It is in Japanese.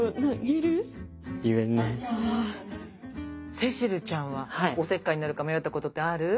聖秋流ちゃんはおせっかいになるか迷ったことってある？